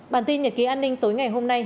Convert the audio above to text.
bản tin nhật ký an ninh tối ngày hôm nay